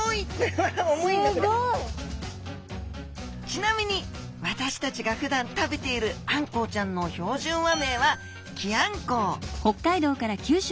ちなみに私たちがふだん食べているあんこうちゃんの標準和名はキアンコウ。